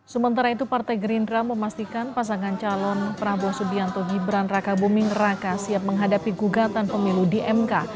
sementara itu partai gerindra memastikan pasangan calon prabowo subianto gibran raka buming raka siap menghadapi gugatan pemilu di mk